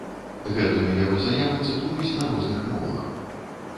Гэтую яго заяву цытуюць на розных мовах.